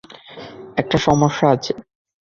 একটা সমস্যা আছে।